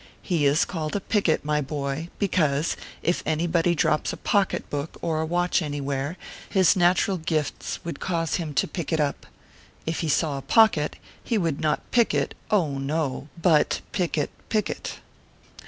He is called a picket, my boy, because, if anybody drops a pocket book or a watch anywhere, his natural ORPHEUS C. KERB PAPERS. 121 gifts would cause him to pick it up. If he saw a pocket, he would not pick it oh, no ! But pick it picket.